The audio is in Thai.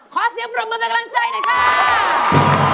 ขอบคุณกำลังใจนะครับ